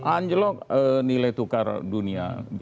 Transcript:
anjlok nilai tukar dunia